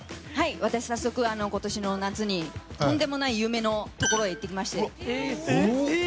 私は今年の夏にとんでもない夢のところへ行ってきまして。